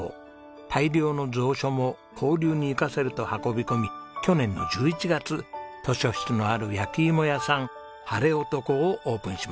大量の蔵書も交流に生かせると運び込み去年の１１月図書室のある焼き芋屋さんハレオトコをオープンしました。